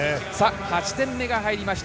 ８点目が入りました。